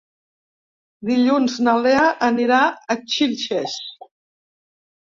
Dilluns na Lea anirà a Xilxes.